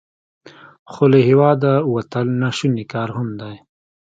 خو له هیواده وتل ناشوني کار هم نه دی.